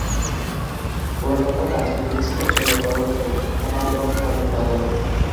অন্যান্য কাজগুলি ছিল চোলাইকরণ, দুগ্ধ খামার এবং ফল উৎপাদন।